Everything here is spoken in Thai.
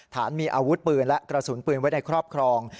ฐานมีอาวุธปืนและกระสุนปืนไว้ในครอบครอง